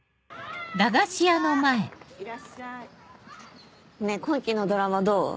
・・いらっしゃい・ねぇ今期のドラマどう？